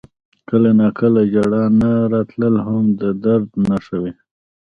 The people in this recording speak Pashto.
• کله ناکله ژړا نه راتلل هم د درد نښه وي.